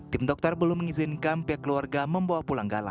tim dokter belum mengizinkan pihak keluarga membawa pulang gala